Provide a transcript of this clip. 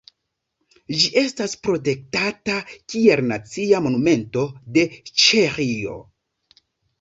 Ĝi estas protektata kiel Nacia Monumento de Ĉeĥio.